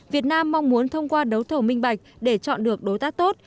việt nam mong muốn thông qua đấu thầu minh bạch để chọn được đối tác tốt